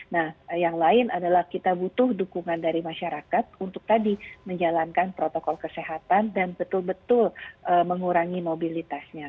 nah yang lain adalah kita butuh dukungan dari masyarakat untuk tadi menjalankan protokol kesehatan dan betul betul mengurangi mobilitasnya